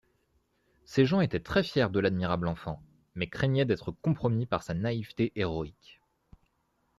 Ces gens étaient très-fiers de l'admirable enfant, mais craignaient d'être compromis par sa naïveté héroïque.